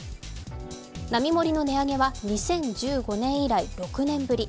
並盛の値上げは２０１５年以来６年ぶり。